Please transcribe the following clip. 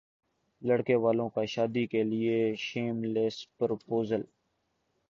لڑکے والوں کا شادی کے لیےشیم لیس پرپوزل